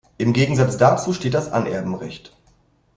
Im Gegensatz dazu steht das Anerbenrecht.